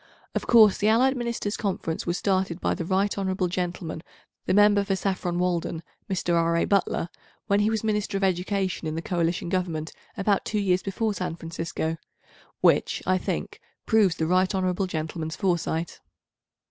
Of course, the Allied Ministers' Conference was started by the right hon. Gentleman the Member for Saffron Walden (Mr. R. A. Butler) when he was Minister of Education in the Coalition Government about two years before San Francisco—which, I think, proves the right hon. Gentleman's foresight.